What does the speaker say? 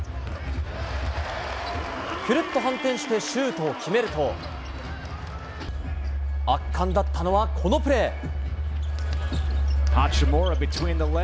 くるっと反転してシュートを決めると圧巻だったのは、このプレー。